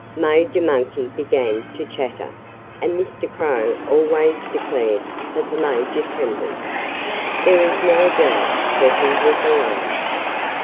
Major Monkey began to chatter. And Mr. Crow always declared that the Major trembled. There is no doubt that he was alarmed.